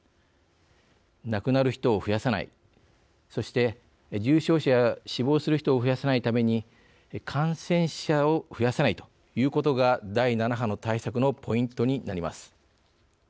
亡くなる人を増やさないそして、重症者や死亡する人を増やさないために感染者を増やさないということが第７波の対策のポイントになります。